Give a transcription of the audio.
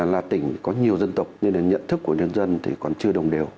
là tỉnh có nhiều dân tộc nên là nhận thức của nhân dân thì còn chưa đồng đều